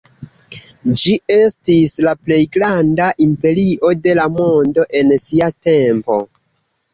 Ĝi estis la plej granda imperio de la mondo en sia tempo.